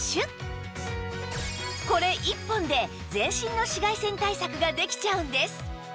これ１本で全身の紫外線対策ができちゃうんです